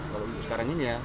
kalau untuk sekarang ini ya